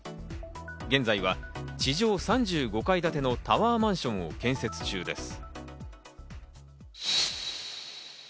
現在は地上３５階建てのタワーマンションを建設中です。